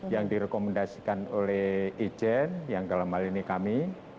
yang direkomendasikan oleh ijen yang dalam hal ini kami